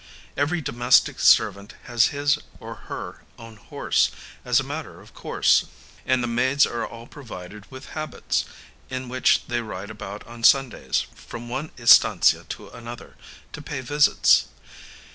Every domestic servant has his or her own horse, as a matter of course; and the maids are all provided with habits, in which they ride about on Sundays, from one estancia to another, to pay visits.